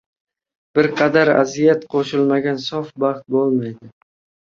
Bir qadar aziyat qo‘shilmagan sof baxt bo‘lmaydi.